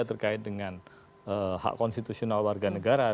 terkait dengan hak konstitusional warga negara